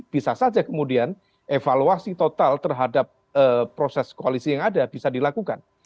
bisa saja kemudian evaluasi total terhadap proses koalisi yang ada bisa dilakukan